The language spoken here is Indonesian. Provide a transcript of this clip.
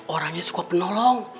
orangnya suka penolong